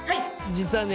実はね